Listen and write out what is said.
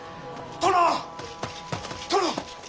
殿。